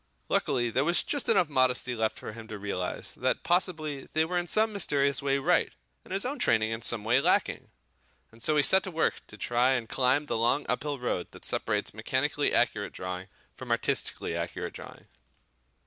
Luckily there was just enough modesty left for him to realise that possibly they were in some mysterious way right and his own training in some way lacking. And so he set to work to try and climb the long uphill road that separates mechanically accurate drawing from artistically accurate drawing.